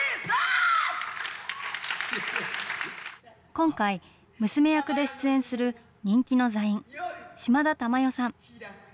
今回、娘役で出演する人気の座員、島田珠代さん。